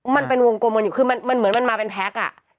มันเป็นวงกลมกันอยู่คือมันเหมือนมันมาเป็นแพ็ค